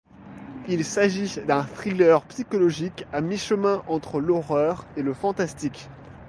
Il s'agit d'un thriller psychologique à mi-chemin entre l'horreur et le fantastique.